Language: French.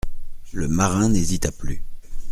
Le marin n'hésita plus.